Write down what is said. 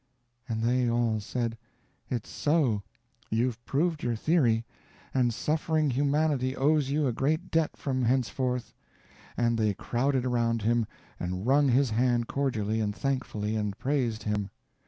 And they all said: "It's so you've proved your theory, and suffering humanity owes you a great debt from henceforth," and they crowded around him, and wrung his hand cordially and thankfully, and praised him.